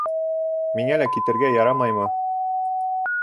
Миңә лә китергә ярамаймы?